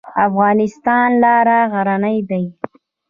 د افغانستان لارې غرنۍ دي